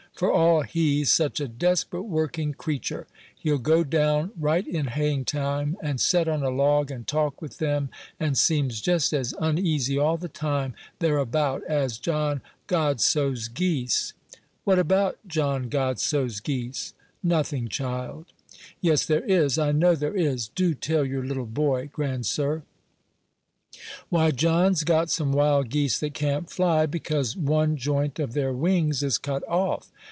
For all he's such a desperate working cretur, he'll go down right in haying time, and set on a log, and talk with them, and seems just as uneasy all the time they're about as John Godsoe's geese." "What about John Godsoe's geese?" "Nothing, child." "Yes, there is; I know there is; do tell your little boy, grandsir." "Why, John's got some wild geese that can't fly, because one joint of their wings is cut off.